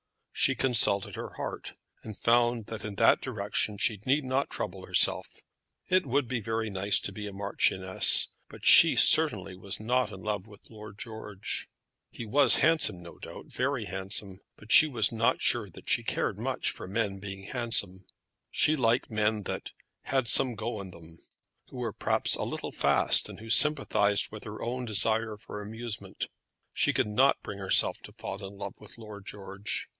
She consulted her heart, and found that in that direction she need not trouble herself. It would be very nice to be a marchioness, but she certainly was not in love with Lord George. He was handsome, no doubt very handsome; but she was not sure that she cared much for men being handsome. She liked men that "had some go in them," who were perhaps a little fast, and who sympathised with her own desire for amusement. She could not bring herself to fall in love with Lord George.